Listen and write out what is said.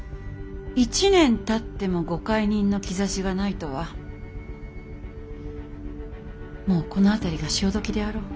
１年たってもご懐妊の兆しがないとはもうこの辺りが潮時であろう。